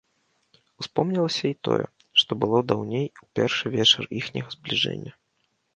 Успомнілася і тое, што было даўней у першы вечар іхняга збліжэння.